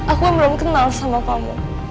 aku yang belum kenal sama kamu